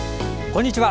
こんにちは。